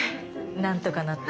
なんとかなって。